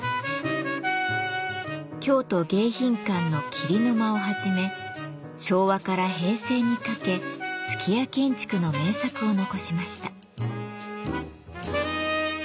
京都迎賓館の桐の間をはじめ昭和から平成にかけ数寄屋建築の名作を残しました。